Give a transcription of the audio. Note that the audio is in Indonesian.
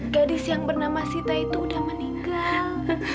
gadis yang bernama sita itu udah meninggal